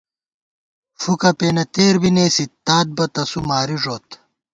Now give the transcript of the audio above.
فُکہ پېنہ تېر بی نېسِت، تات بہ تسُو ماری ݫُوت